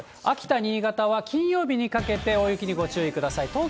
秋田、新潟は、金曜日にかけて大雪にご注意ください。